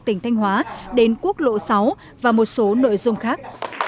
tỉnh thanh hóa đến quốc lộ sáu và một số nội dung khác